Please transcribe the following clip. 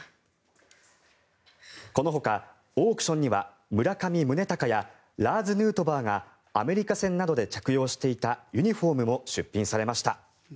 このほか、オークションには村上宗隆やラーズ・ヌートバーがアメリカ戦などで着用していたユニホームも出品されました。